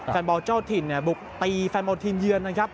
แฟนบอร์เจ้าถิ่นบุกตีแฟนบอร์ทีมเยือน